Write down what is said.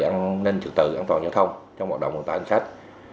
an ninh trực tự an toàn giao thông trong hoạt động vận tải anh khách